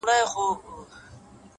وهر يو رگ ته يې د ميني کليمه وښايه _